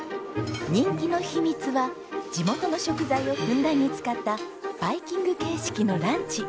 人気の秘密は地元の食材をふんだんに使ったバイキング形式のランチ。